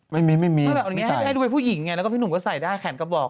ไม่มีไม่ตายพี่หนุ่มก็ใส่ด้าแขนกระบอกเนี่ยแล้วอันนี้ให้ดูไปผู้หญิงเนี่ย